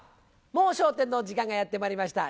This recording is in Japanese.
『もう笑点』の時間がやってまいりました。